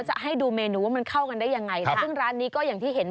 ชอบชอบ